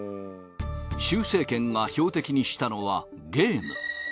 習政権が標的にしたのはゲーム。